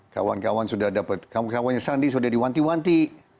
kawan kawannya sandi sudah diwanti wanti